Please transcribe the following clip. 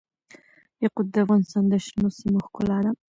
یاقوت د افغانستان د شنو سیمو ښکلا ده.